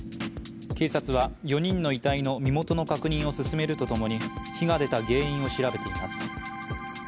警察は４人の遺体の身元の確認を進めるとともに、火が出た原因を調べています。